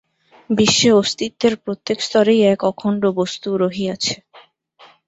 বিশ্বে অস্তিত্বের প্রত্যেক স্তরেই এক অখণ্ড বস্তু রহিয়াছে।